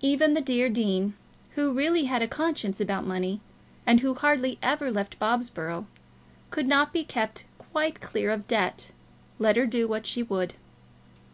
Even the dear dean, who really had a conscience about money, and who hardly ever left Bobsborough, could not be kept quite clear of debt, let her do what she would.